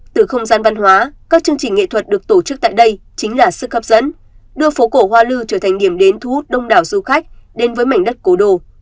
từ không gian văn hóa các chương trình nghệ thuật được tổ chức tại đây chính là sức hấp dẫn đưa phố cổ hoa lư trở thành điểm đến thu hút đông đảo du khách đến với mảnh đất cố đô